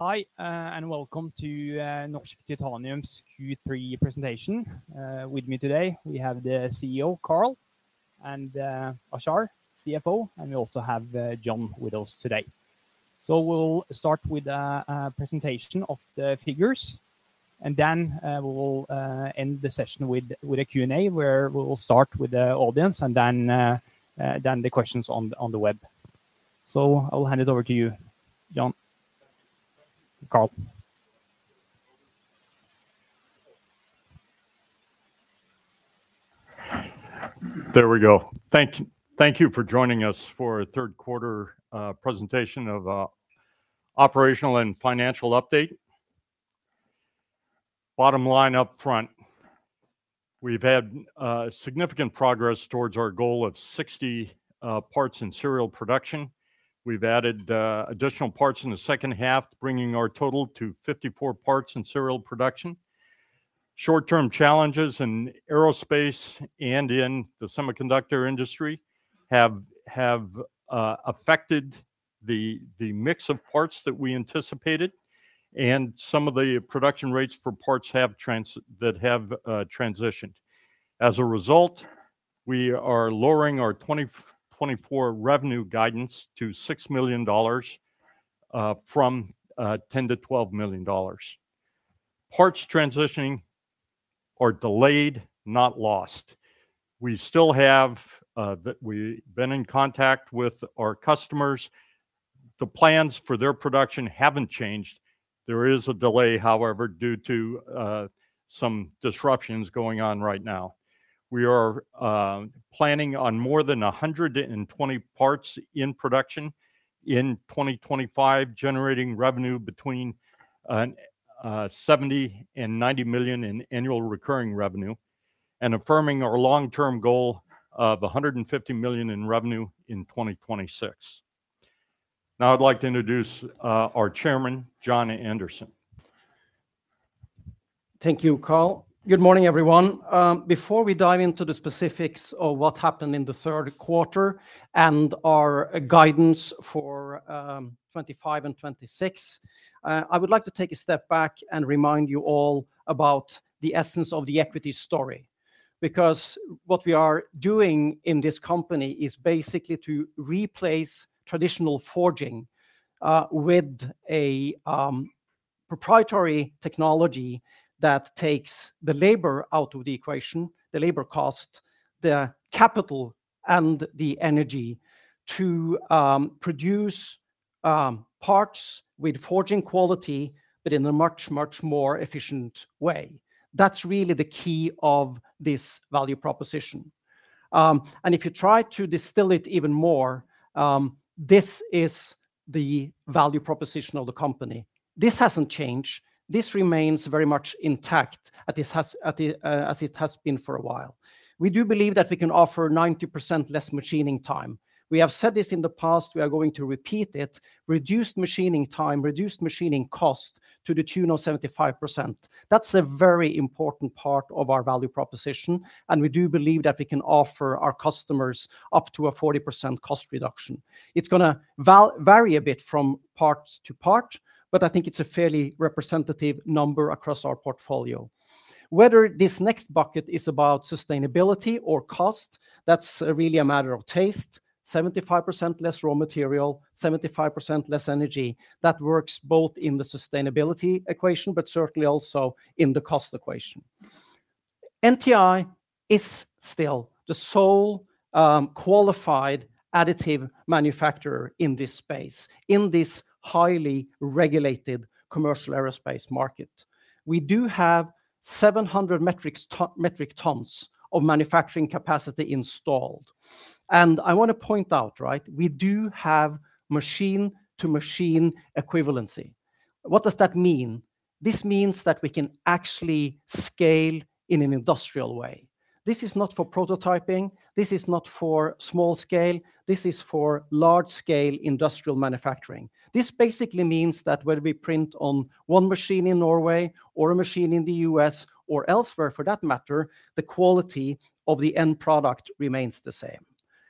Hi, and welcome to Norsk Titanium's Q3 presentation. With me today, we have the CEO, Carl, and Ashar, CFO, and we also have John with us today. So we'll start with a presentation of the figures, and then we'll end the session with a Q&A where we'll start with the audience and then the questions on the web. So I'll hand it over to you, John. Carl. There we go. Thank you for joining us for a third quarter presentation of operational and financial update. Bottom line up front, we've had significant progress towards our goal of 60 parts in serial production. We've added additional parts in the second half, bringing our total to 54 parts in serial production. Short-term challenges in aerospace and in the semiconductor industry have affected the mix of parts that we anticipated, and some of the production rates for parts that have transitioned. As a result, we are lowering our 2024 revenue guidance to $6 million from $10-$12 million. Parts transitioning are delayed, not lost. We still have that we've been in contact with our customers. The plans for their production haven't changed. There is a delay, however, due to some disruptions going on right now. We are planning on more than 120 parts in production in 2025, generating revenue between $70 and $90 million in annual recurring revenue, and affirming our long-term goal of $150 million in revenue in 2026. Now I'd like to introduce our chairman, John Andersen. Thank you, Carl. Good morning, everyone. Before we dive into the specifics of what happened in the third quarter and our guidance for 2025 and 2026, I would like to take a step back and remind you all about the essence of the equity story, because what we are doing in this company is basically to replace traditional forging with a proprietary technology that takes the labor out of the equation, the labor cost, the capital, and the energy to produce parts with forging quality, but in a much, much more efficient way. That's really the key of this value proposition. And if you try to distill it even more, this is the value proposition of the company. This hasn't changed. This remains very much intact as it has been for a while. We do believe that we can offer 90% less machining time. We have said this in the past. We are going to repeat it: reduced machining time, reduced machining cost to the tune of 75%. That's a very important part of our value proposition, and we do believe that we can offer our customers up to a 40% cost reduction. It's going to vary a bit from part to part, but I think it's a fairly representative number across our portfolio. Whether this next bucket is about sustainability or cost, that's really a matter of taste. 75% less raw material, 75% less energy, that works both in the sustainability equation, but certainly also in the cost equation. NTI is still the sole qualified additive manufacturer in this space, in this highly regulated commercial aerospace market. We do have 700 metric tons of manufacturing capacity installed. And I want to point out, right, we do have machine-to-machine equivalency. What does that mean? This means that we can actually scale in an industrial way. This is not for prototyping. This is not for small scale. This is for large-scale industrial manufacturing. This basically means that when we print on one machine in Norway or a machine in the U.S. or elsewhere, for that matter, the quality of the end product remains the same.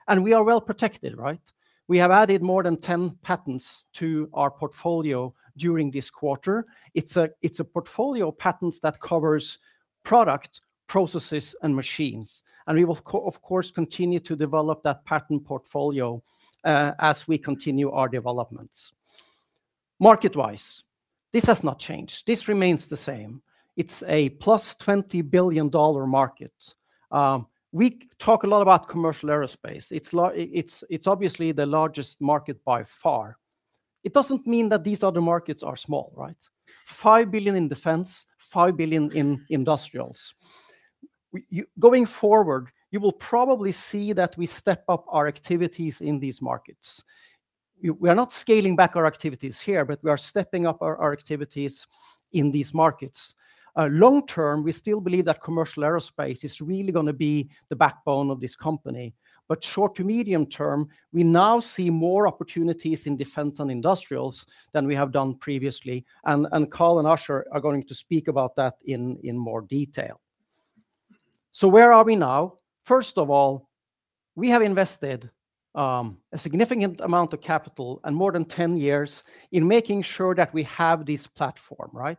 And we are well protected, right? We have added more than 10 patents to our portfolio during this quarter. It's a portfolio of patents that covers product, processes, and machines. And we will, of course, continue to develop that patent portfolio as we continue our developments. Market-wise, this has not changed. This remains the same. It's a plus $20 billion market. We talk a lot about commercial aerospace. It's obviously the largest market by far. It doesn't mean that these other markets are small, right? $5 billion in defense, $5 billion in industrials. Going forward, you will probably see that we step up our activities in these markets. We are not scaling back our activities here, but we are stepping up our activities in these markets. Long term, we still believe that commercial aerospace is really going to be the backbone of this company. But short to medium term, we now see more opportunities in defense and industrials than we have done previously. And Carl and Ashar are going to speak about that in more detail. So where are we now? First of all, we have invested a significant amount of capital and more than 10 years in making sure that we have this platform, right?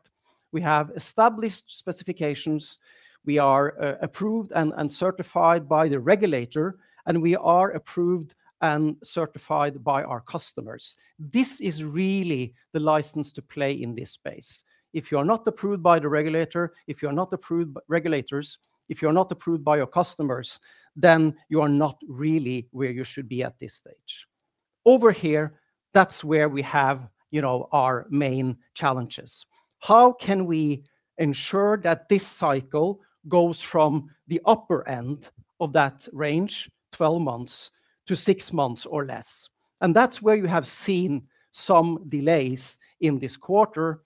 We have established specifications. We are approved and certified by the regulator, and we are approved and certified by our customers. This is really the license to play in this space. If you are not approved by the regulator, if you are not approved by regulators, if you are not approved by your customers, then you are not really where you should be at this stage. Over here, that's where we have our main challenges. How can we ensure that this cycle goes from the upper end of that range, 12 months, to six months or less? And that's where you have seen some delays in this quarter,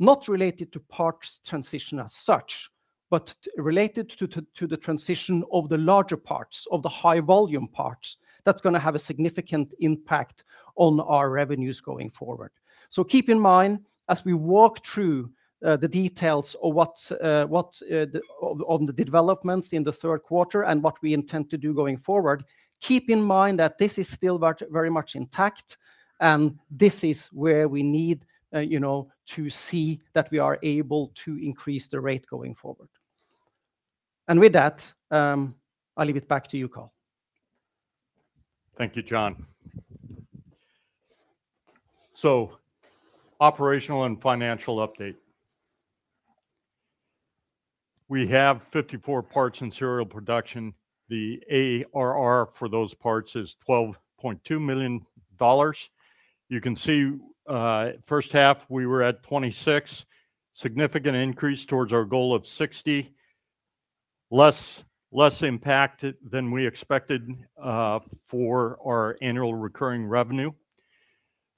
not related to parts transition as such, but related to the transition of the larger parts, of the high-volume parts that's going to have a significant impact on our revenues going forward. So keep in mind, as we walk through the details of the developments in the third quarter and what we intend to do going forward, keep in mind that this is still very much intact, and this is where we need to see that we are able to increase the rate going forward. And with that, I'll leave it back to you, Carl. Thank you, John. So operational and financial update. We have 54 parts in serial production. The ARR for those parts is $12.2 million. You can see first half, we were at 26, significant increase towards our goal of 60, less impacted than we expected for our annual recurring revenue.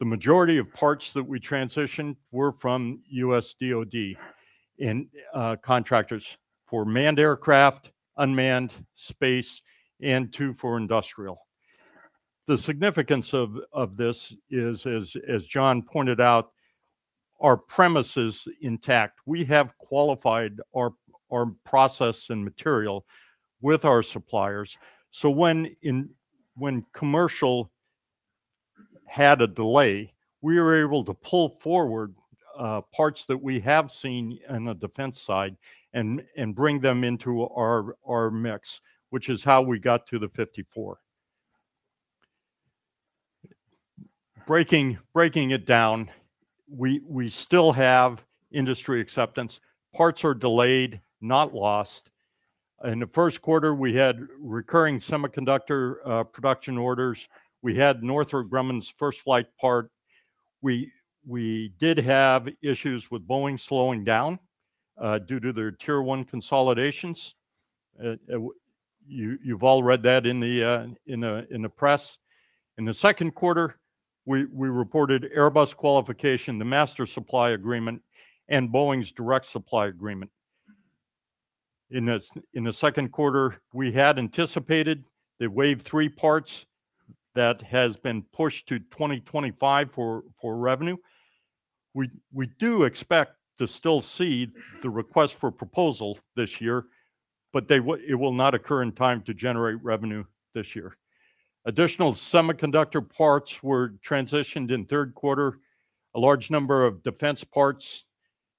The majority of parts that we transitioned were from U.S. DoD contractors for manned aircraft, unmanned space, and two for industrial. The significance of this is, as John pointed out, our premise is intact. We have qualified our process and material with our suppliers. So when commercial had a delay, we were able to pull forward parts that we have seen in the defense side and bring them into our mix, which is how we got to the 54. Breaking it down, we still have industry acceptance. Parts are delayed, not lost. In the first quarter, we had recurring semiconductor production orders. We had Northrop Grumman's first flight part. We did have issues with Boeing slowing down due to their tier one consolidations. You've all read that in the press. In the second quarter, we reported Airbus qualification, the master supply agreement, and Boeing's direct supply agreement. In the second quarter, we had anticipated the Wave 3 parts that has been pushed to 2025 for revenue. We do expect to still see the request for proposal this year, but it will not occur in time to generate revenue this year. Additional semiconductor parts were transitioned in third quarter. A large number of defense parts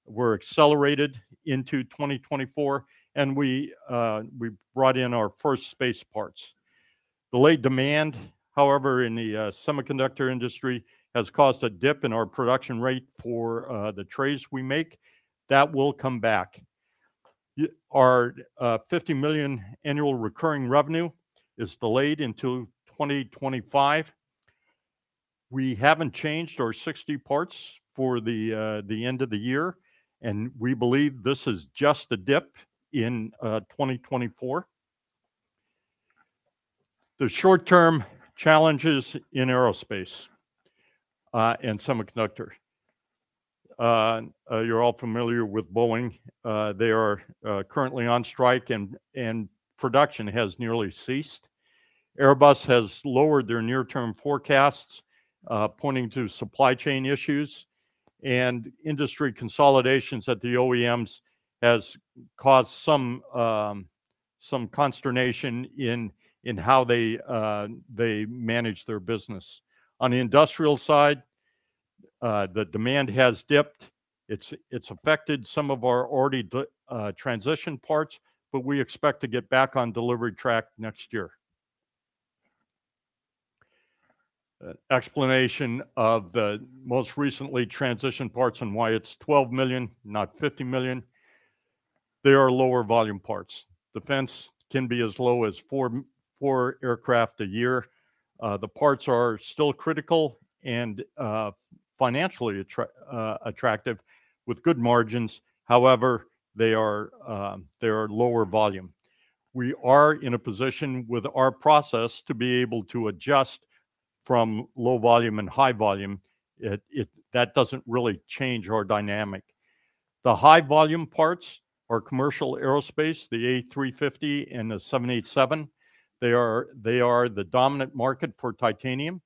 were accelerated into 2024, and we brought in our first space parts. Delayed demand, however, in the semiconductor industry has caused a dip in our production rate for the trays we make. That will come back. Our $50 million annual recurring revenue is delayed into 2025. We haven't changed our 60 parts for the end of the year, and we believe this is just a dip in 2024. The short-term challenges in aerospace and semiconductor. You're all familiar with Boeing. They are currently on strike, and production has nearly ceased. Airbus has lowered their near-term forecasts, pointing to supply chain issues, and industry consolidations at the OEMs have caused some consternation in how they manage their business. On the industrial side, the demand has dipped. It's affected some of our already transitioned parts, but we expect to get back on delivery track next year. Explanation of the most recently transitioned parts and why it's $12 million, not $50 million. They are lower volume parts. Defense can be as low as four aircraft a year. The parts are still critical and financially attractive with good margins. However, they are lower volume. We are in a position with our process to be able to adjust from low volume and high volume. That doesn't really change our dynamic. The high volume parts are commercial aerospace, the A350 and the 787. They are the dominant market for titanium.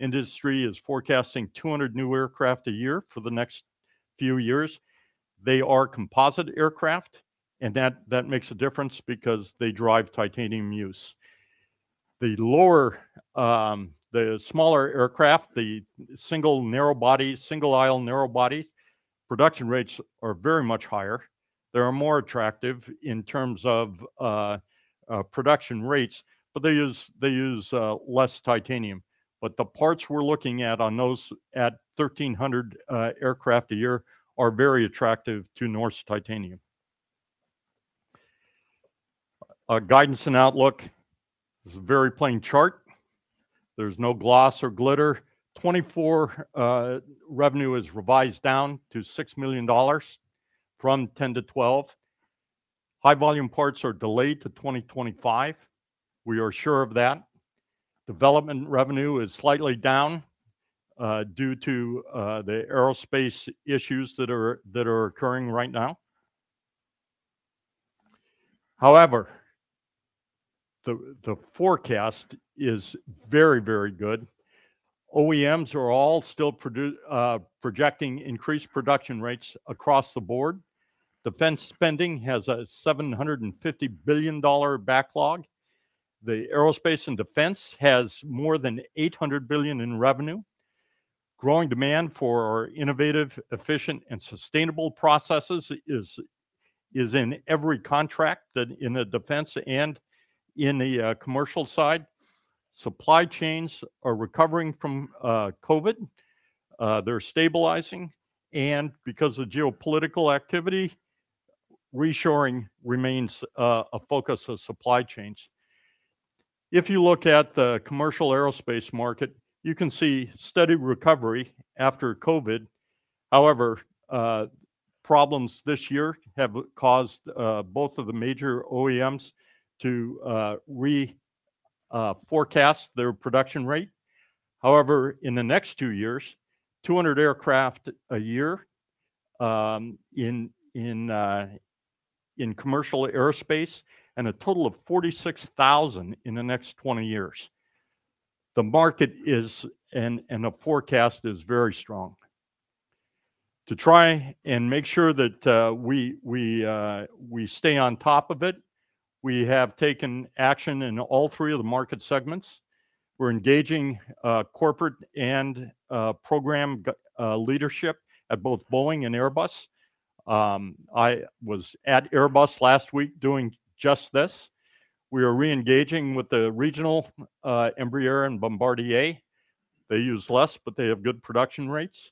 Industry is forecasting 200 new aircraft a year for the next few years. They are composite aircraft, and that makes a difference because they drive titanium use. The smaller aircraft, the single narrow body, single aisle narrow bodies, production rates are very much higher. They are more attractive in terms of production rates, but they use less titanium. But the parts we're looking at on those at 1,300 aircraft a year are very attractive to Norsk Titanium. Guidance and outlook is a very plain chart. There's no gloss or glitter. 2024 revenue is revised down to $6 million from $10-$12 million. High volume parts are delayed to 2025. We are sure of that. Development revenue is slightly down due to the aerospace issues that are occurring right now. However, the forecast is very, very good. OEMs are all still projecting increased production rates across the board. Defense spending has a $750 billion backlog. The aerospace and defense has more than $800 billion in revenue. Growing demand for innovative, efficient, and sustainable processes is in every contract in the defense and in the commercial side. Supply chains are recovering from COVID. They're stabilizing, and because of geopolitical activity, reshoring remains a focus of supply chains. If you look at the commercial aerospace market, you can see steady recovery after COVID. However, problems this year have caused both of the major OEMs to re-forecast their production rate. However, in the next two years, 200 aircraft a year in commercial aerospace and a total of 46,000 in the next 20 years. The market and the forecast is very strong. To try and make sure that we stay on top of it, we have taken action in all three of the market segments. We're engaging corporate and program leadership at both Boeing and Airbus. I was at Airbus last week doing just this. We are re-engaging with the regional Embraer and Bombardier. They use less, but they have good production rates.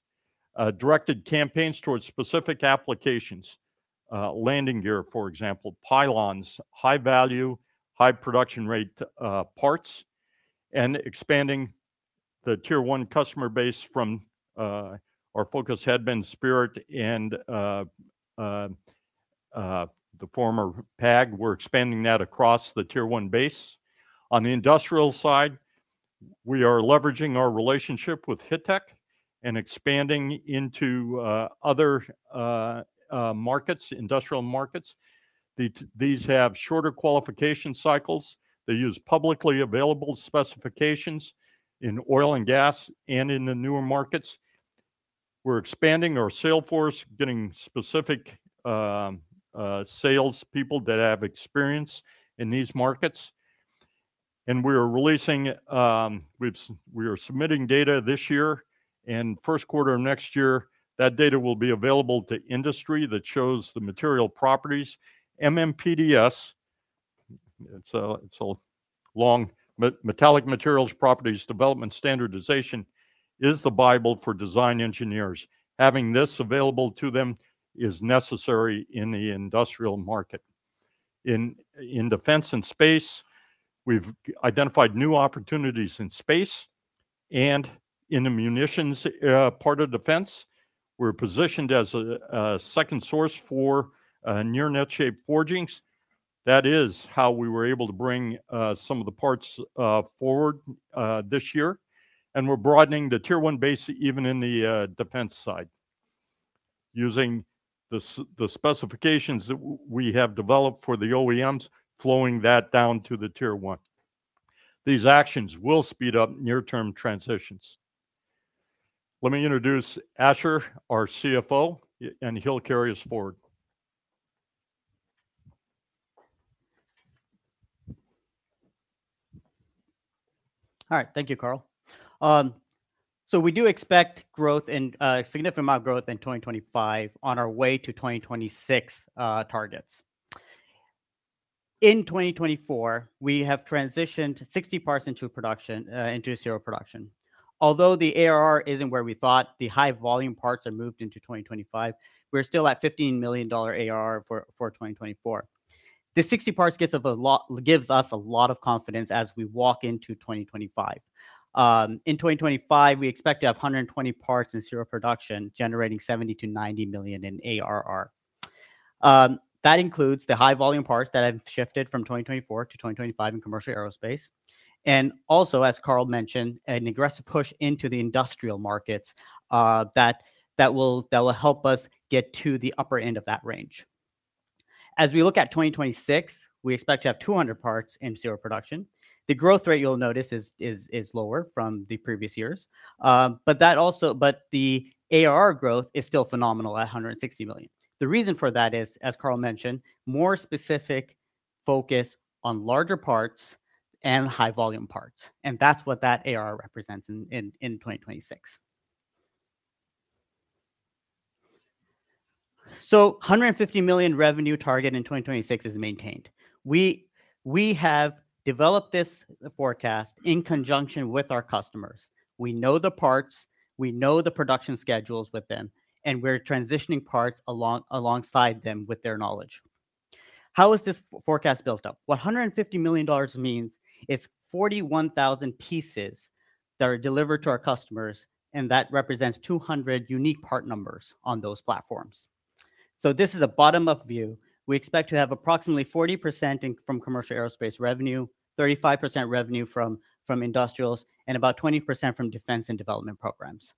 Directed campaigns towards specific applications, landing gear, for example, pylons, high-value, high-production rate parts, and expanding the tier one customer base from our focus had been Spirit and the former PAG. We're expanding that across the tier one base. On the industrial side, we are leveraging our relationship with Hittech and expanding into other markets, industrial markets. These have shorter qualification cycles. They use publicly available specifications in oil and gas and in the newer markets. We're expanding our sales force, getting specific salespeople that have experience in these markets. We are submitting data this year. First quarter of next year, that data will be available to industry that shows the material properties. MMPDS, it's the Metallic Materials Properties Development and Standardization, is the Bible for design engineers. Having this available to them is necessary in the industrial market. In defense and space, we've identified new opportunities in space and in the munitions part of defense. We're positioned as a second source for near net-shaped forgings. That is how we were able to bring some of the parts forward this year. And we're broadening the tier one base even in the defense side using the specifications that we have developed for the OEMs, flowing that down to the tier one. These actions will speed up near-term transitions. Let me introduce Ashar, our CFO, and he'll carry us forward. All right. Thank you, Carl, so we do expect growth and a significant amount of growth in 2025 on our way to 2026 targets. In 2024, we have transitioned 60 parts into serial production. Although the ARR isn't where we thought, the high-volume parts are moved into 2025. We're still at $15 million ARR for 2024. The 60 parts gives us a lot of confidence as we walk into 2025. In 2025, we expect to have 120 parts in serial production generating $70-$90 million in ARR. That includes the high-volume parts that have shifted from 2024-2025 in commercial aerospace, and also, as Carl mentioned, an aggressive push into the industrial markets that will help us get to the upper end of that range. As we look at 2026, we expect to have 200 parts in serial production. The growth rate you'll notice is lower from the previous years, but the ARR growth is still phenomenal at $160 million. The reason for that is, as Carl mentioned, more specific focus on larger parts and high-volume parts, and that's what that ARR represents in 2026, so $150 million revenue target in 2026 is maintained. We have developed this forecast in conjunction with our customers. We know the parts. We know the production schedules with them, and we're transitioning parts alongside them with their knowledge. How is this forecast built up? What $150 million means is 41,000 pieces that are delivered to our customers, and that represents 200 unique part numbers on those platforms, so this is a bottom-up view. We expect to have approximately 40% from commercial aerospace revenue, 35% revenue from industrials, and about 20% from defense and development programs.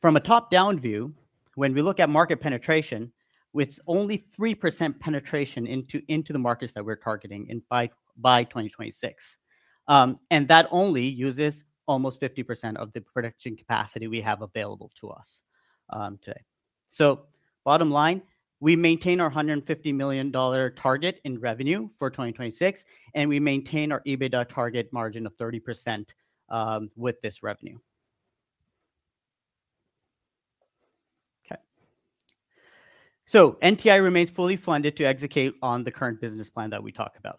From a top-down view, when we look at market penetration, it's only 3% penetration into the markets that we're targeting by 2026, and that only uses almost 50% of the production capacity we have available to us today, so bottom line, we maintain our $150 million target in revenue for 2026, and we maintain our EBITDA target margin of 30% with this revenue. Okay, so NTI remains fully funded to execute on the current business plan that we talk about.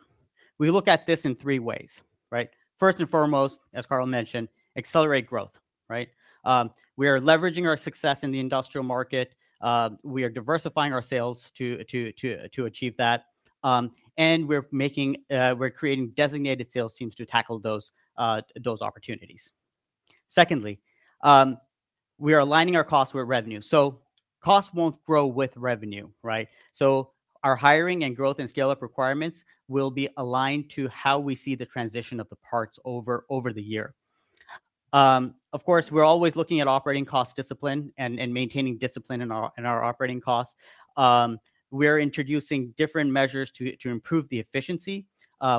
We look at this in three ways. First and foremost, as Carl mentioned, accelerate growth. We are leveraging our success in the industrial market. We are diversifying our sales to achieve that. And we're creating designated sales teams to tackle those opportunities. Secondly, we are aligning our costs with revenue, so costs won't grow with revenue. Our hiring and growth and scale-up requirements will be aligned to how we see the transition of the parts over the year. Of course, we're always looking at operating cost discipline and maintaining discipline in our operating costs. We're introducing different measures to improve the efficiency.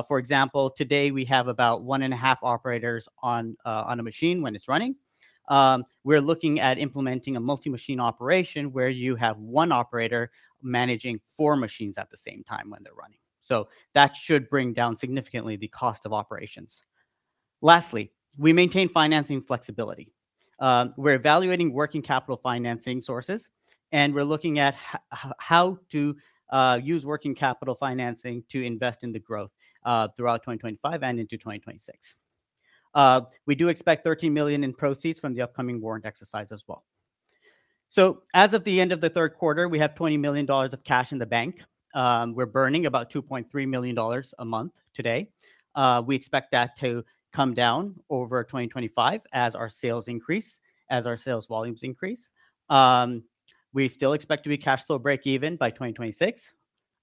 For example, today we have about one and a half operators on a machine when it's running. We're looking at implementing a multi-machine operation where you have one operator managing four machines at the same time when they're running. That should bring down significantly the cost of operations. Lastly, we maintain financing flexibility. We're evaluating working capital financing sources, and we're looking at how to use working capital financing to invest in the growth throughout 2025 and into 2026. We do expect $13 million in proceeds from the upcoming warrant exercise as well. So as of the end of the third quarter, we have $20 million of cash in the bank. We're burning about $2.3 million a month today. We expect that to come down over 2025 as our sales increase, as our sales volumes increase. We still expect to be cash flow break-even by 2026.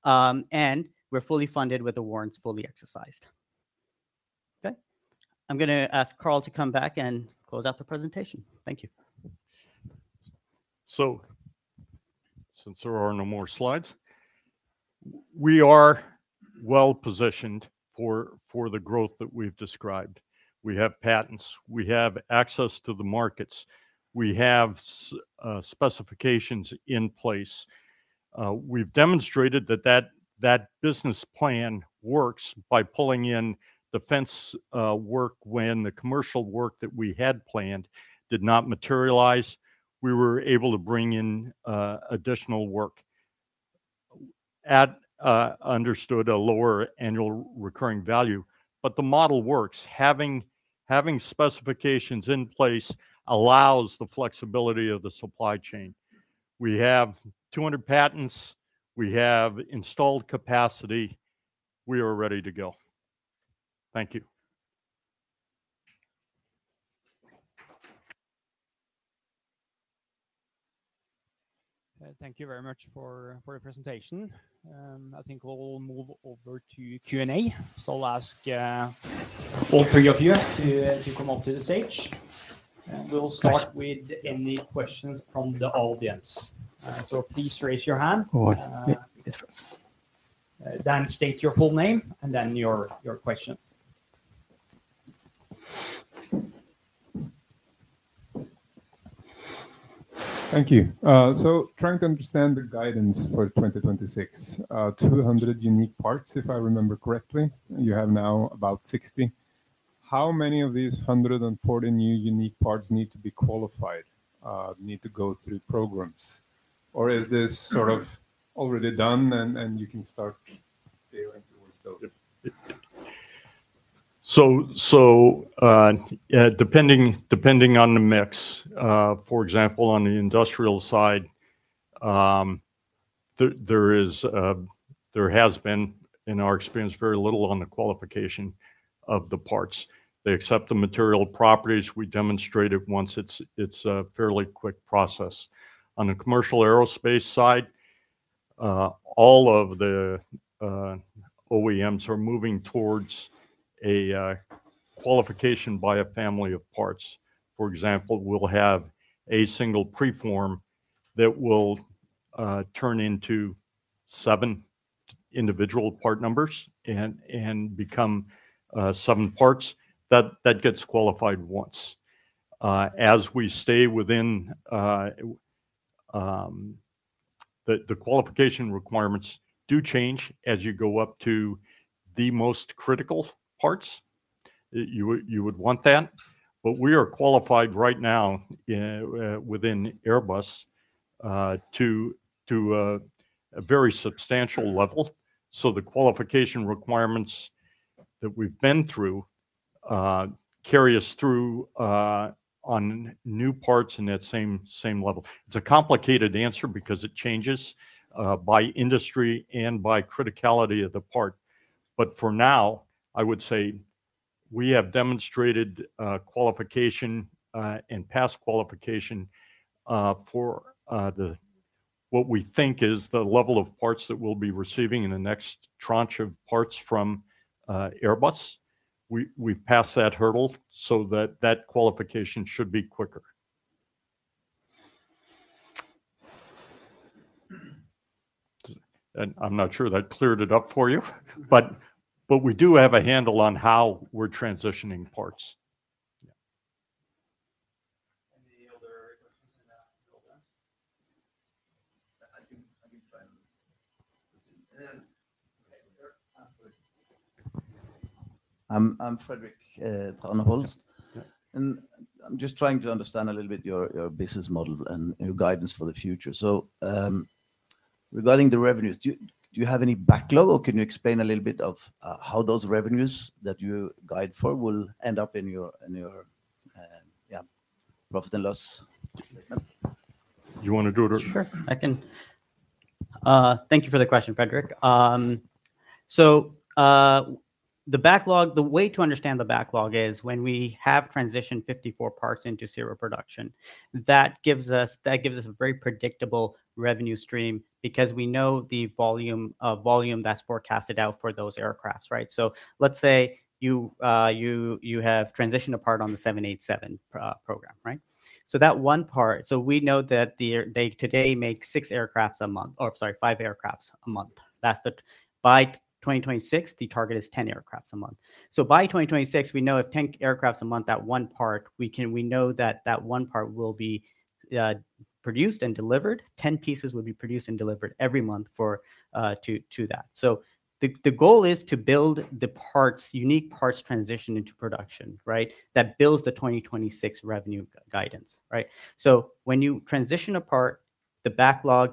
And we're fully funded with the warrants fully exercised. Okay. I'm going to ask Carl to come back and close out the presentation. Thank you. So since there are no more slides, we are well positioned for the growth that we've described. We have patents. We have access to the markets. We have specifications in place. We've demonstrated that the business plan works by pulling in defense work when the commercial work that we had planned did not materialize. We were able to bring in additional work at a lower annual recurring value. But the model works. Having specifications in place allows the flexibility of the supply chain. We have 200 patents. We have installed capacity. We are ready to go. Thank you. Thank you very much for the presentation. I think we'll move over to Q&A. So I'll ask all three of you to come up to the stage. And we'll start with any questions from the audience. So please raise your hand. Then state your full name and then your question. Thank you. So trying to understand the guidance for 2026, 200 unique parts, if I remember correctly, you have now about 60. How many of these 140 new unique parts need to be qualified, need to go through programs? Or is this sort of already done and you can start scaling towards those? So depending on the mix, for example, on the industrial side, there has been, in our experience, very little on the qualification of the parts. They accept the material properties. We demonstrate it once it's a fairly quick process. On the commercial aerospace side, all of the OEMs are moving towards a qualification by a family of parts. For example, we'll have a single preform that will turn into seven individual part numbers and become seven parts. That gets qualified once. As we stay within the qualification requirements, do change as you go up to the most critical parts. You would want that. But we are qualified right now within Airbus to a very substantial level. So the qualification requirements that we've been through carry us through on new parts in that same level. It's a complicated answer because it changes by industry and by criticality of the part. But for now, I would say we have demonstrated qualification and passed qualification for what we think is the level of parts that we'll be receiving in the next tranche of parts from Airbus. We've passed that hurdle so that qualification should be quicker. And I'm not sure that cleared it up for you, but we do have a handle on how we're transitioning parts. I'm Frederik Thornholst, and I'm just trying to understand a little bit your business model and your guidance for the future, so regarding the revenues, do you have any backlog, or can you explain a little bit of how those revenues that you guide for will end up in your profit and loss? You want to do it? Sure. I can. Thank you for the question, Frederik, so the way to understand the backlog is when we have transitioned 54 parts into serial production, that gives us a very predictable revenue stream because we know the volume that's forecasted out for those aircraft. So let's say you have transitioned a part on the 787 program, so that one part, so we know that they today make six aircraft a month, or sorry, five aircraft a month. By 2026, the target is 10 aircraft a month, so by 2026, we know if 10 aircraft a month, that one part, we know that that one part will be produced and delivered. 10 pieces will be produced and delivered every month to that, so the goal is to build the unique parts transition into production that builds the 2026 revenue guidance. So when you transition a part,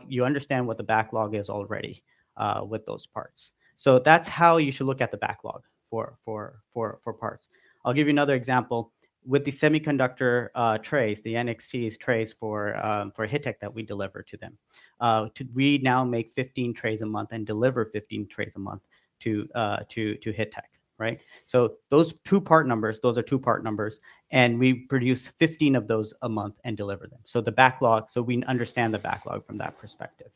you understand what the backlog is already with those parts. So that's how you should look at the backlog for parts. I'll give you another example. With the semiconductor trays, the NXT trays for Hittech that we deliver to them, we now make 15 trays a month and deliver 15 trays a month to Hittech. So those two part numbers, those are two part numbers, and we produce 15 of those a month and deliver them. So we understand the backlog from that perspective.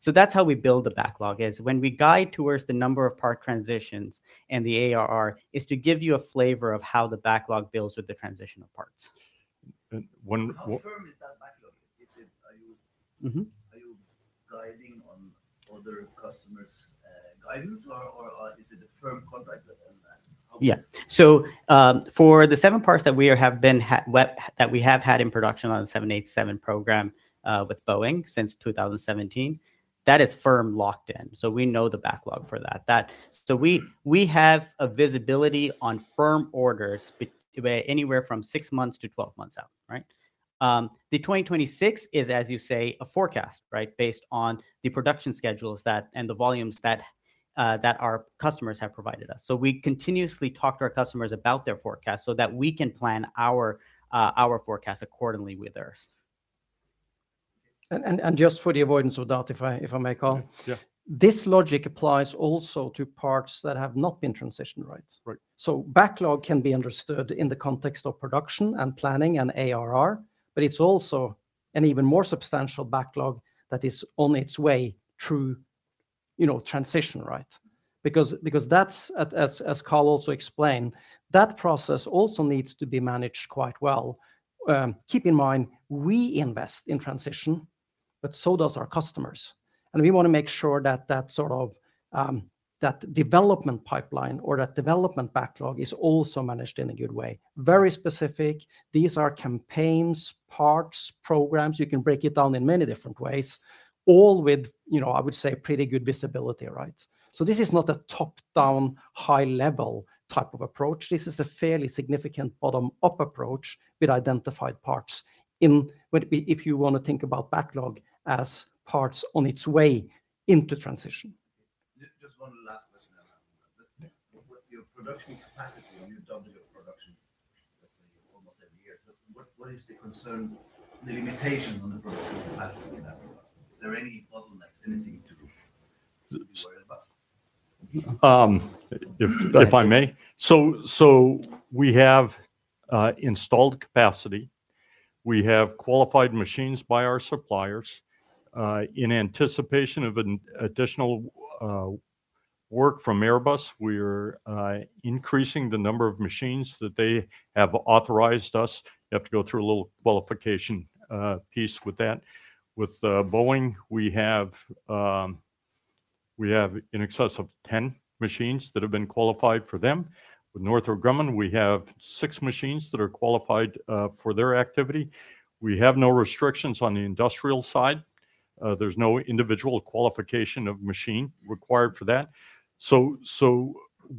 So that's how we build the backlog is when we guide towards the number of part transitions and the ARR is to give you a flavor of how the backlog builds with the transition of parts. When is that firm backlog? Are you guiding on other customers' guidance, or is it a firm contract? Yeah. So for the seven parts that we have had in production on the 787 program with Boeing since 2017, that is firm locked in. So we know the backlog for that. So we have a visibility on firm orders anywhere from six months to 12 months out. The 2026 is, as you say, a forecast based on the production schedules and the volumes that our customers have provided us. So we continuously talk to our customers about their forecast so that we can plan our forecast accordingly with theirs. Just for the avoidance of doubt, if I may call, this logic applies also to parts that have not been transitioned, right? Backlog can be understood in the context of production and planning and ARR, but it's also an even more substantial backlog that is on its way through transition, right? Because that's, as Carl also explained, that process also needs to be managed quite well. Keep in mind, we invest in transition, but so does our customers. We want to make sure that that development pipeline or that development backlog is also managed in a good way. Very specific. These are campaigns, parts, programs. You can break it down in many different ways, all with, I would say, pretty good visibility, right? This is not a top-down high-level type of approach. This is a fairly significant bottom-up approach with identified parts if you want to think about backlog as parts on its way into transition. Just one last question. Your production capacity, you double your production, let's say, almost every year. So what is the concern, the limitation on the production capacity in that production? Is there any bottleneck, anything to be worried about? If I may. So we have installed capacity. We have qualified machines by our suppliers. In anticipation of additional work from Airbus, we are increasing the number of machines that they have authorized us. You have to go through a little qualification piece with that. With Boeing, we have in excess of 10 machines that have been qualified for them. With Northrop Grumman, we have six machines that are qualified for their activity. We have no restrictions on the industrial side. There's no individual qualification of machine required for that. So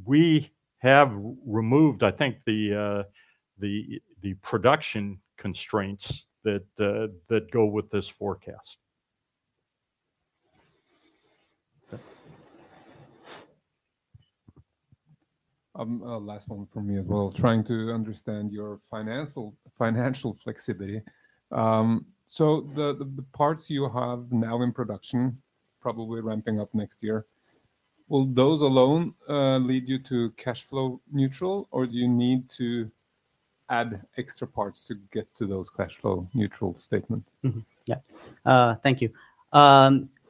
we have removed, I think, the production constraints that go with this forecast. Last one for me as well, trying to understand your financial flexibility so the parts you have now in production, probably ramping up next year, will those alone lead you to cash flow neutral, or do you need to add extra parts to get to those cash flow neutral statements? Yeah. Thank you.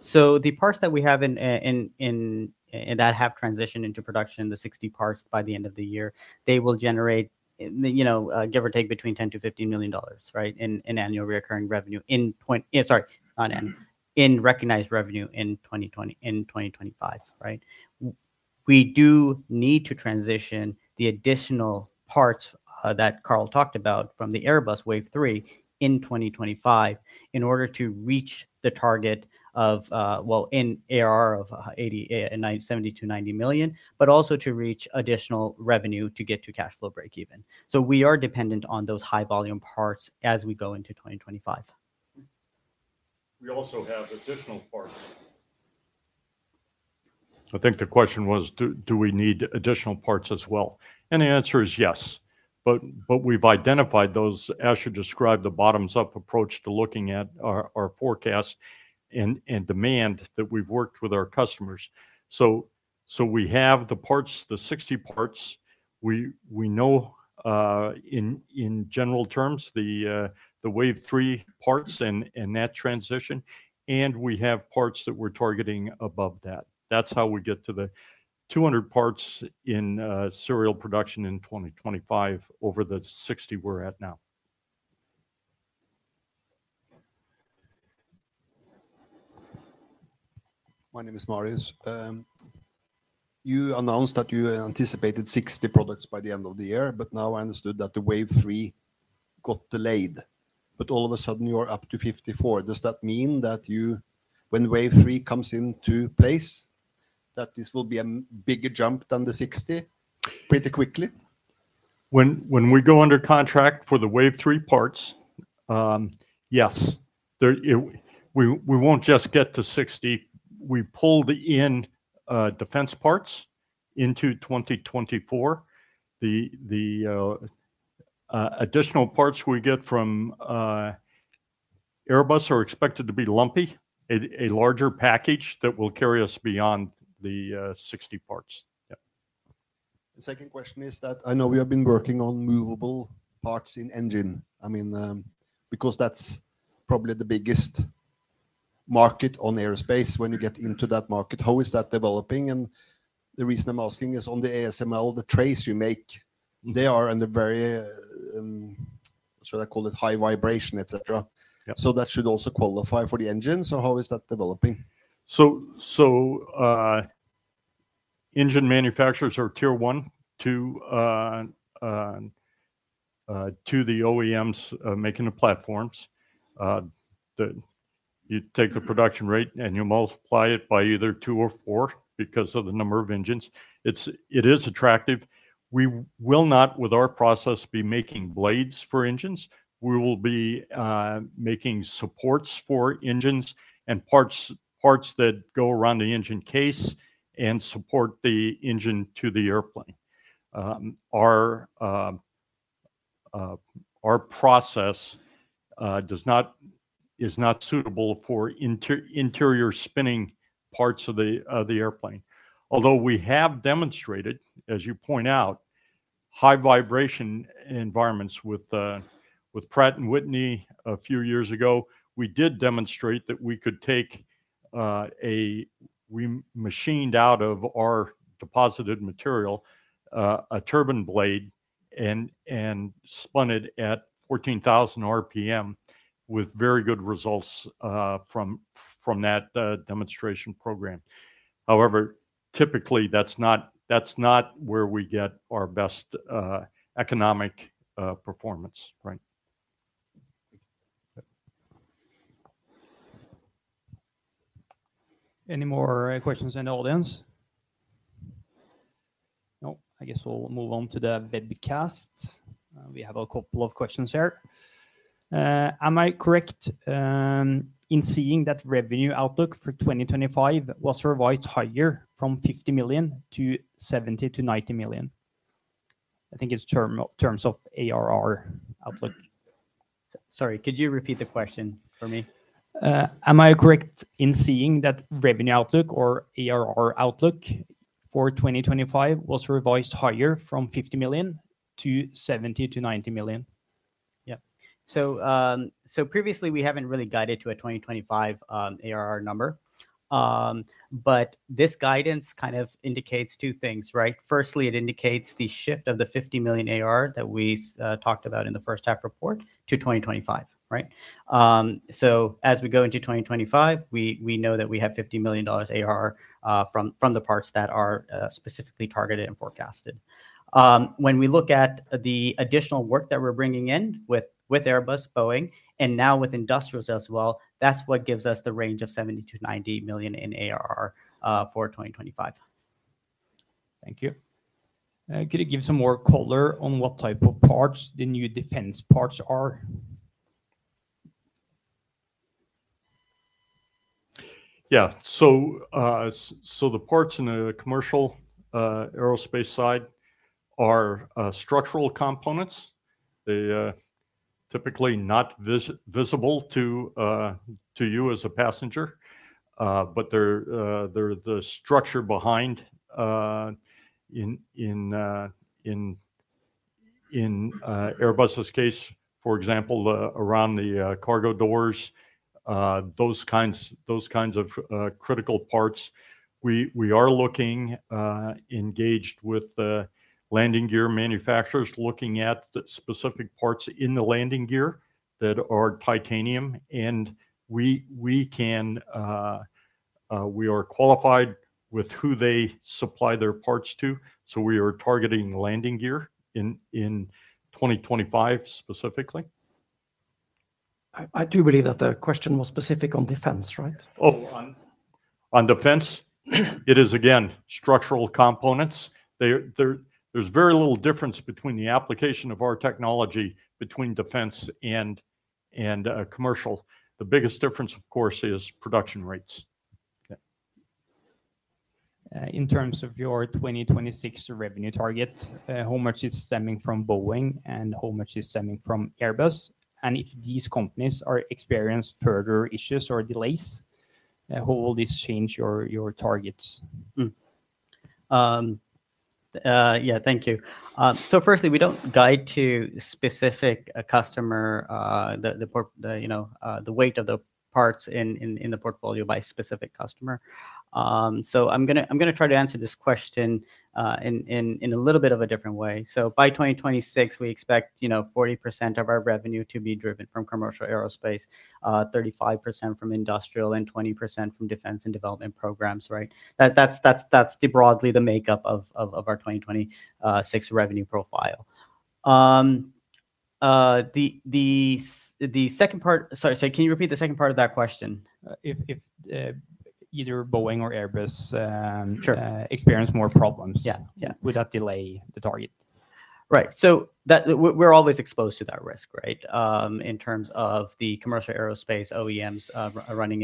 So the parts that we have that have transitioned into production, the 60 parts by the end of the year, they will generate, give or take, between $10-$15 million in annual recurring revenue in recognized revenue in 2025. We do need to transition the additional parts that Carl talked about from the Airbus Wave 3 in 2025 in order to reach the target of, well, in ARR of $70-$90 million, but also to reach additional revenue to get to cash flow break-even. So we are dependent on those high-volume parts as we go into 2025. We also have additional parts. I think the question was, do we need additional parts as well, and the answer is yes, but we've identified those, as you described, the bottom-up approach to looking at our forecast and demand that we've worked with our customers, so we have the parts, the 60 parts. We know in general terms the Wave 3 parts and that transition, and we have parts that we're targeting above that. That's how we get to the 200 parts in serial production in 2025 over the 60 we're at now. My name is Marius. You announced that you anticipated 60 products by the end of the year, but now I understood that the Wave 3 got delayed, but all of a sudden, you're up to 54. Does that mean that when Wave 3 comes into place, that this will be a bigger jump than the 60 pretty quickly? When we go under contract for the Wave 3 parts, yes. We won't just get to 60. We pulled in defense parts into 2024. The additional parts we get from Airbus are expected to be lumpy, a larger package that will carry us beyond the 60 parts. Yeah. The second question is that I know you have been working on movable parts in engine. I mean, because that's probably the biggest market on aerospace when you get into that market. How is that developing? And the reason I'm asking is on the ASML, the trays you make, they are under very, what should I call it, high vibration, etc. So that should also qualify for the engine. So how is that developing? So engine manufacturers are tier one to the OEMs making the platforms. You take the production rate and you multiply it by either two or four because of the number of engines. It is attractive. We will not, with our process, be making blades for engines. We will be making supports for engines and parts that go around the engine case and support the engine to the airplane. Our process is not suitable for interior spinning parts of the airplane. Although we have demonstrated, as you point out, high vibration environments with Pratt & Whitney a few years ago, we did demonstrate that we could take a machined out of our deposited material, a turbine blade, and spun it at 14,000 RPM with very good results from that demonstration program. However, typically, that's not where we get our best economic performance. Any more questions from the audience? No, I guess we'll move on to the webcast. We have a couple of questions here. Am I correct in seeing that revenue outlook for 2025 was revised higher from $50 million to $70-$90 million? I think it's in terms of ARR outlook. Sorry, could you repeat the question for me? Am I correct in seeing that revenue outlook or ARR outlook for 2025 was revised higher from $50 million to $70-$90 million? Yeah, so previously, we haven't really guided to a 2025 ARR number. But this guidance kind of indicates two things. Firstly, it indicates the shift of the $50 million ARR that we talked about in the first half report to 2025. So as we go into 2025, we know that we have $50 million ARR from the parts that are specifically targeted and forecasted. When we look at the additional work that we're bringing in with Airbus, Boeing, and now with industrials as well, that's what gives us the range of $70-$90 million in ARR for 2025. Thank you. Could you give some more color on what type of parts the new defense parts are? Yeah. So the parts in the commercial aerospace side are structural components. They are typically not visible to you as a passenger, but they're the structure behind in Airbus's case, for example, around the cargo doors, those kinds of critical parts. We are engaged with landing gear manufacturers, looking at specific parts in the landing gear that are titanium. And we are qualified with who they supply their parts to. So we are targeting landing gear in 2025 specifically. I do believe that the question was specific on defense, right? Oh, on defense, it is, again, structural components. There's very little difference between the application of our technology between defense and commercial. The biggest difference, of course, is production rates. In terms of your 2026 revenue target, how much is stemming from Boeing and how much is stemming from Airbus, and if these companies are experiencing further issues or delays, how will this change your targets? Yeah, thank you. So firstly, we don't guide to specific customer, the weight of the parts in the portfolio by specific customer. So I'm going to try to answer this question in a little bit of a different way. So by 2026, we expect 40% of our revenue to be driven from commercial aerospace, 35% from industrial, and 20% from defense and development programs. That's broadly the makeup of our 2026 revenue profile. The second part, sorry, can you repeat the second part of that question? If either Boeing or Airbus experience more problems, would that delay the target? Right. So we're always exposed to that risk in terms of the commercial aerospace OEMs running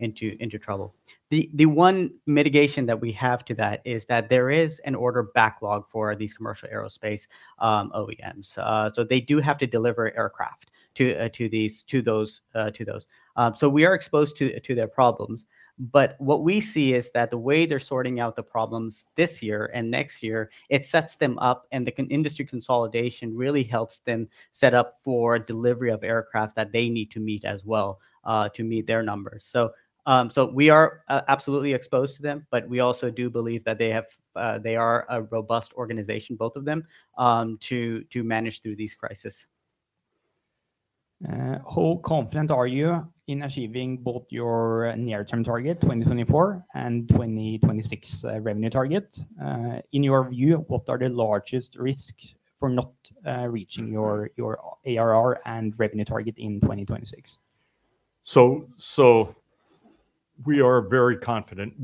into trouble. The one mitigation that we have to that is that there is an order backlog for these commercial aerospace OEMs. So they do have to deliver aircraft to those. So we are exposed to their problems. But what we see is that the way they're sorting out the problems this year and next year, it sets them up, and the industry consolidation really helps them set up for delivery of aircraft that they need to meet as well to meet their numbers. So we are absolutely exposed to them, but we also do believe that they are a robust organization, both of them, to manage through these crises. How confident are you in achieving both your near-term target, 2024, and 2026 revenue target? In your view, what are the largest risks for not reaching your ARR and revenue target in 2026? So we are very confident.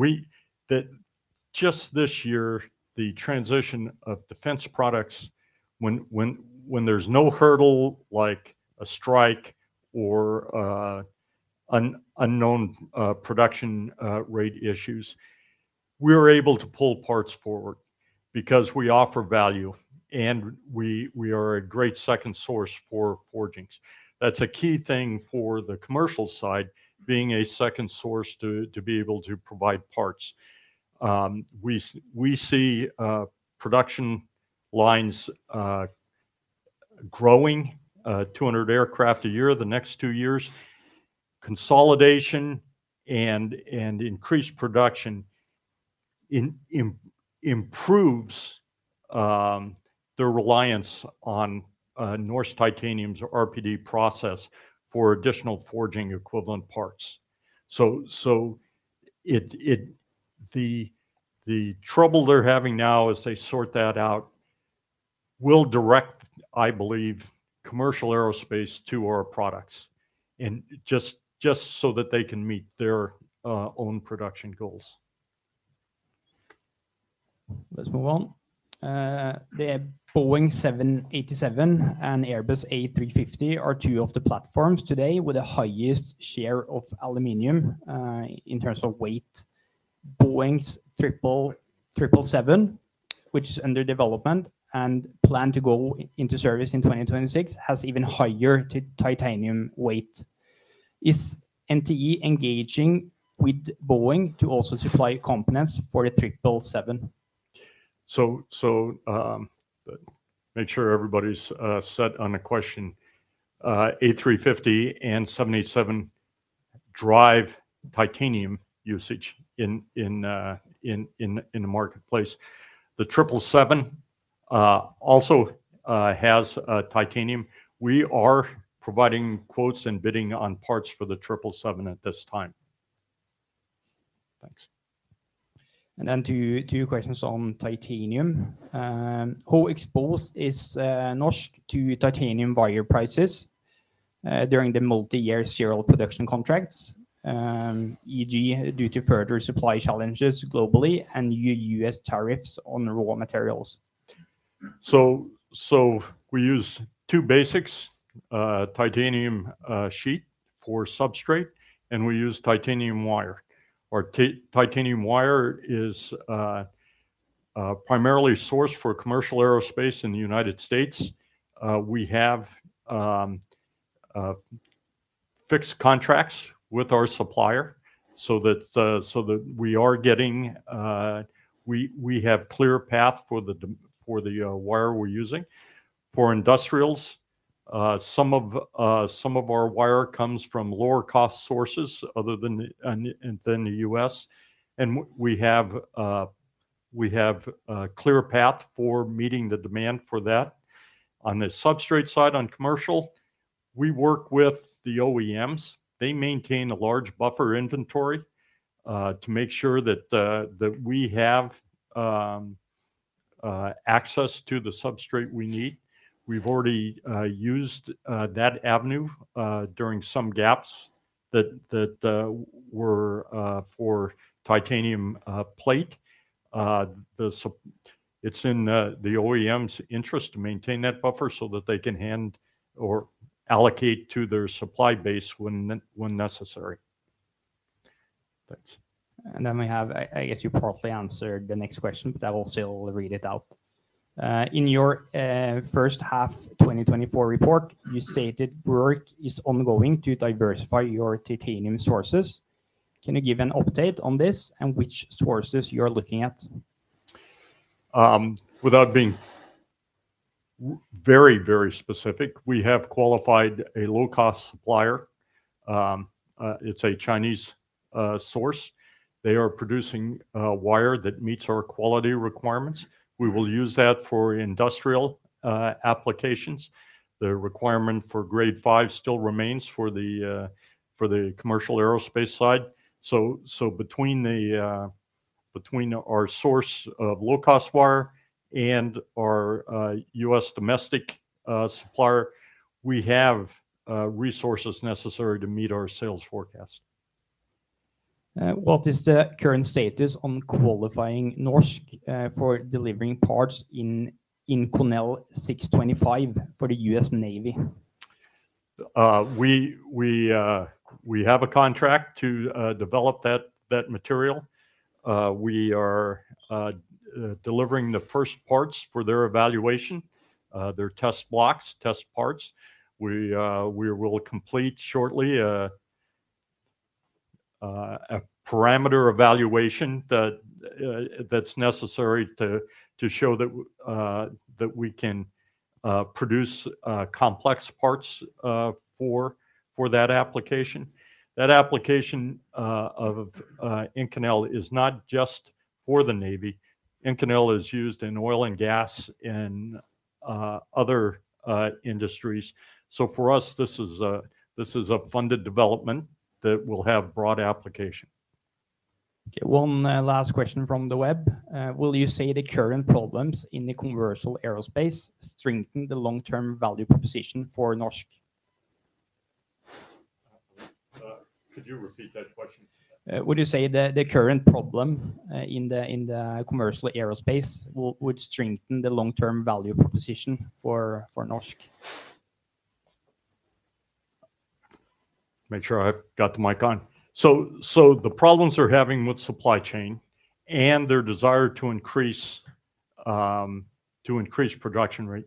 Just this year, the transition of defense products, when there's no hurdle like a strike or unknown production rate issues, we're able to pull parts forward because we offer value and we are a great second source for forging. That's a key thing for the commercial side, being a second source to be able to provide parts. We see production lines growing, 200 aircraft a year the next two years. Consolidation and increased production improves their reliance on Norsk Titanium's RPD process for additional forging equivalent parts. So the trouble they're having now as they sort that out will direct, I believe, commercial aerospace to our products just so that they can meet their own production goals. Let's move on. The Boeing 787 and Airbus A350 are two of the platforms today with the highest share of aluminum in terms of weight. Boeing's 777, which is under development and planned to go into service in 2026, has even higher titanium weight. Is NTE engaging with Boeing to also supply components for the 777? Make sure everybody's set on the question. A350 and 787 drive titanium usage in the marketplace. The 777 also has titanium. We are providing quotes and bidding on parts for the 777 at this time. Thanks. And then two questions on titanium. How exposed is Norsk to titanium wire prices during the multi-year serial production contracts, e.g., due to further supply challenges globally and U.S. tariffs on raw materials? We use two basics, titanium sheet for substrate, and we use titanium wire. Our titanium wire is primarily sourced for commercial aerospace in the United States. We have fixed contracts with our supplier so that we have a clear path for the wire we're using. For industrials, some of our wire comes from lower-cost sources other than the U.S. We have a clear path for meeting the demand for that. On the substrate side on commercial, we work with the OEMs. They maintain a large buffer inventory to make sure that we have access to the substrate we need. We've already used that avenue during some gaps that were for titanium plate. It's in the OEM's interest to maintain that buffer so that they can hand or allocate to their supply base when necessary. Thanks. And then we have, I guess you partly answered the next question, but I will still read it out. In your first half 2024 report, you stated work is ongoing to diversify your titanium sources. Can you give an update on this and which sources you're looking at? Without being very, very specific, we have qualified a low-cost supplier. It's a Chinese source. They are producing wire that meets our quality requirements. We will use that for industrial applications. The requirement for grade five still remains for the commercial aerospace side. So between our source of low-cost wire and our U.S. domestic supplier, we have resources necessary to meet our sales forecast. What is the current status on qualifying Norsk for delivering parts in Inconel 625 for the U.S. Navy? We have a contract to develop that material. We are delivering the first parts for their evaluation, their test blocks, test parts. We will complete shortly a parameter evaluation that's necessary to show that we can produce complex parts for that application. That application of Inconel is not just for the Navy. Inconel is used in oil and gas and other industries. So for us, this is a funded development that will have broad application. Okay. One last question from the web. Will you say the current problems in the commercial aerospace strengthen the long-term value proposition for Norsk? Could you repeat that question? Would you say the current problem in the commercial aerospace would strengthen the long-term value proposition for Norsk? Make sure I've got the mic on. So the problems they're having with supply chain and their desire to increase production rate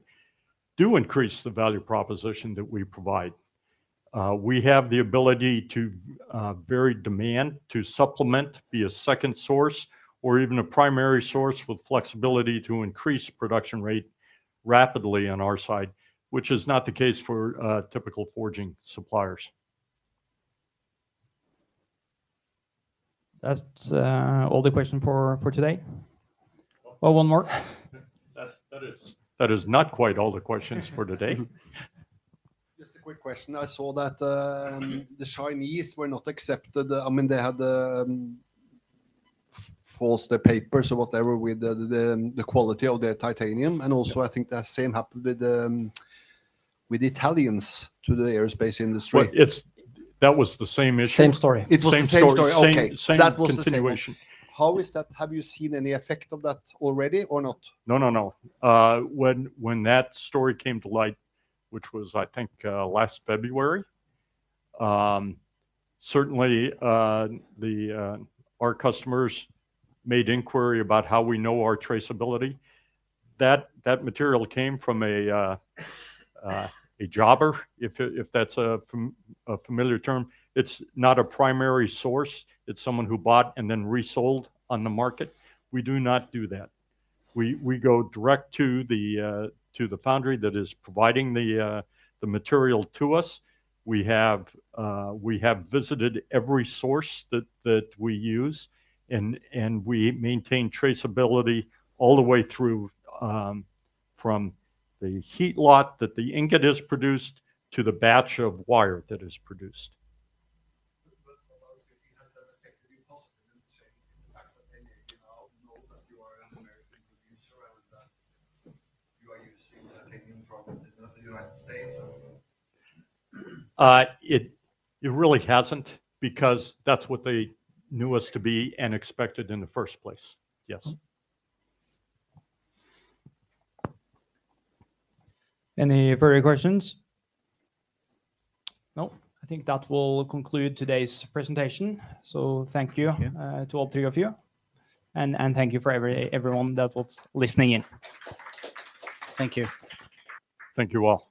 do increase the value proposition that we provide. We have the ability to vary demand to supplement via second source or even a primary source with flexibility to increase production rate rapidly on our side, which is not the case for typical forging suppliers. That's all the questions for today. Well, one more. That is not quite all the questions for today. Just a quick question. I saw that the Chinese were not accepted. I mean, they had to force the papers or whatever with the quality of their titanium. And also, I think the same happened with Italians to the aerospace industry. That was the same issue. Same story. It was the same story. Same continuation. That was the situation. How is that? Have you seen any effect of that already or not? No, no, no. When that story came to light, which was, I think, last February, certainly our customers made inquiry about how we know our traceability. That material came from a jobber, if that's a familiar term. It's not a primary source. It's someone who bought and then resold on the market. We do not do that. We go direct to the foundry that is providing the material to us. We have visited every source that we use, and we maintain traceability all the way through from the heat lot that the ingot is produced to the batch of wire that is produced. But for those that you have said, affected you positively in the fact that they know that you are an American producer and that you are using titanium from the United States? It really hasn't because that's what they knew us to be and expected in the first place. Yes. Any further questions? No. I think that will conclude today's presentation, so thank you to all three of you, and thank you for everyone that was listening in. Thank you. Thank you all.